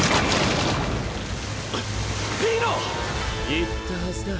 言ったはずだ。